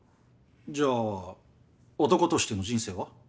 じゃあ男としての人生は？